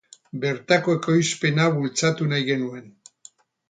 Bertako ekoizpena bultzatu nahi genuen.